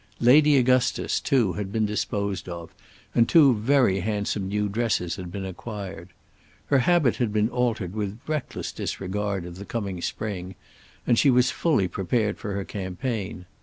Lady Augustus, too, had been disposed of, and two very handsome new dresses had been acquired. Her habit had been altered with reckless disregard of the coming spring and she was fully prepared for her campaign.